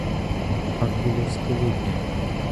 Так було з полудня.